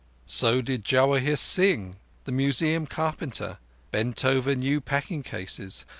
So did Jawahir Singh, the Museum carpenter, bent over new packing cases.